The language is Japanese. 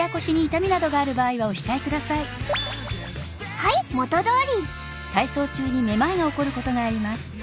はい元どおり。